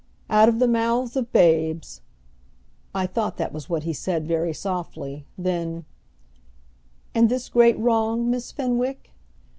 "Out of the mouths of babes " I thought that was what he said very softly. Then, "And this great wrong, Miss Fenwick?"